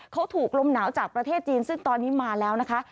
เขาถูกลมหนาวจากประเทศจีนซึ่งตอนนี้มาแล้วนะคะ